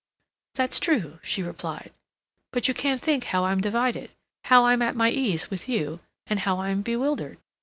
"That's true," she replied, "but you can't think how I'm divided—how I'm at my ease with you, and how I'm bewildered.